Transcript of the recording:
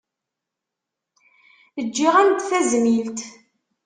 Ǧǧiɣ-am-d tazmilt.